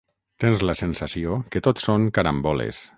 Tens la sensació que tot són caramboles.